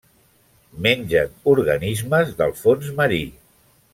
Mengen organismes del fons marí.